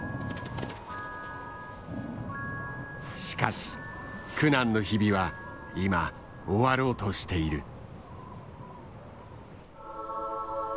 しかし苦難の日々は今終わろうとしている。